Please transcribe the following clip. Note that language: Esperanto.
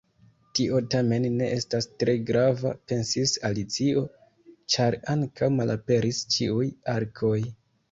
"Tio tamen ne estas tre grava," pensis Alicio, "ĉar ankaŭ malaperis ĉiuj arkoj."